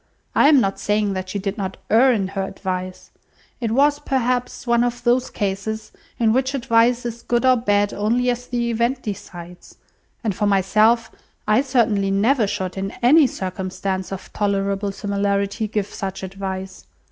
I am not saying that she did not err in her advice. It was, perhaps, one of those cases in which advice is good or bad only as the event decides; and for myself, I certainly never should, in any circumstance of tolerable similarity, give such advice.